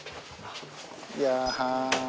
いやぁ。